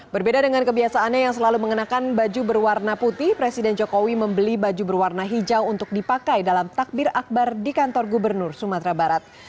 berbeda dengan kebiasaannya yang selalu mengenakan baju berwarna putih presiden jokowi membeli baju berwarna hijau untuk dipakai dalam takbir akbar di kantor gubernur sumatera barat